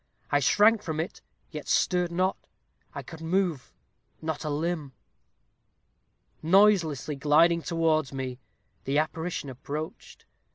I shrank from it, yet stirred not I could not move a limb. Noiselessly gliding towards me, the apparition approached.